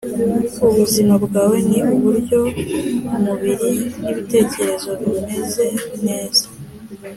ubuzima bwawe ni uburyo umubiri nʼibitekerezo bimeze neza